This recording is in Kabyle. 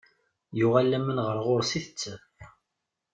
Yuɣal laman ɣer ɣur-s i tettaf.